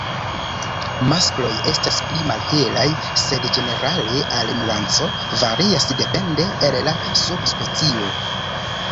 Maskloj estas pli malhelaj, sed ĝenerale al nuanco varias depende el la subspecio.